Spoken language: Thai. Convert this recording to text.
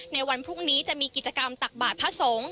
ในวันพรุ่งนี้จะมีกิจกรรมตักบาทพระสงฆ์